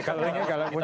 kalau linknya kalau kita